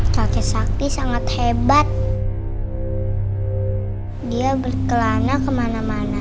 kakek sakti sangat hebat dia berkelana kemana mana